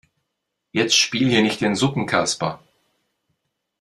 Jetzt spiel hier nicht den Suppenkasper.